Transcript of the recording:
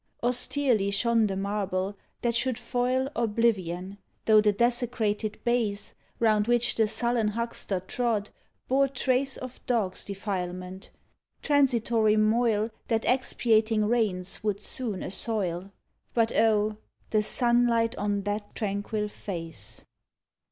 Austerely shone the marble that should foil Oblivion, tho' the desecrated base, Round which the sullen huckster trod, bore trace Of dogs' defilement — transitory moil That expiating rains would soon assoil; But oh, the sunlight on that tranquil face!